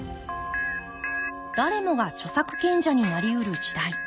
誰もが著作権者になりうる時代。